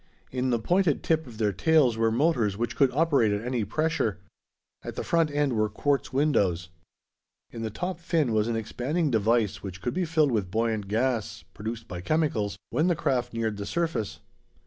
In the pointed tip of their tails were motors which could operate at any pressure. At the front end were quartz windows. In the top fin was an expanding device which could be filled with buoyant gas, produced by chemicals, when the craft neared the surface.